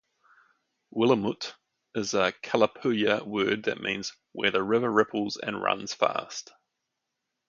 "Wilhamut" is a Kalapuya word that means "where the river ripples and runs fast".